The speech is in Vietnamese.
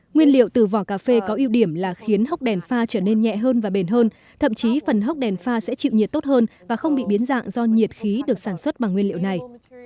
nguyên liệu từ vỏ cà phê có ưu điểm là khiến hóc đèn pha trở nên nhẹ hơn và bền hơn thậm chí phần hóc đèn pha sẽ chịu nhiệt tốt hơn và không bị biến dạng do nhiệt khí được sản xuất bằng nguyên liệu này